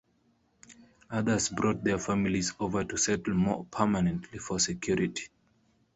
Others brought their families over to settle more permanently for security.